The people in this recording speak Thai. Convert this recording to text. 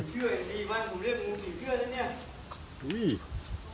ตอนนี้ก็ไม่มีเวลาให้กลับไปแต่ตอนนี้ก็ไม่มีเวลาให้กลับไป